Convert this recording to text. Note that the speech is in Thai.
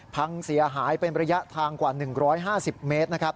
พังเสียหายเป็นระยะทางกว่า๑๕๐เมตรนะครับ